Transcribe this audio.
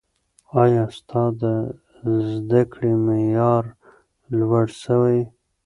ایا ستا د زده کړې معیار لوړ سوی؟